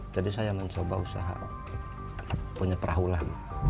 jadi saya mencoba usaha punya perahu lah